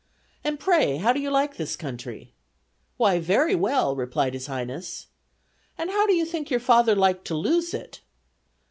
'And, pray how do you like this country?' 'Why, very well,' replied his highness. 'And how do you think your father liked to lose it?'